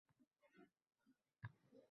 San’at bekorchiliqdan ermakka aylanib qoldi